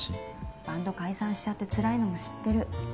バンド解散しちゃってつらいのも知ってる。